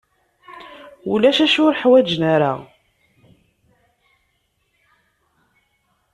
Ulac acu ur ḥwaǧen ara.